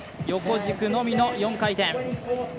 横軸のみの４回転。